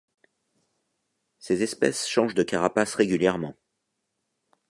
Ces espèces changent de carapace régulièrement.